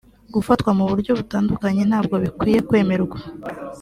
gufatwa mu buryo butandukanye ntabwo bikwiye kwemerwa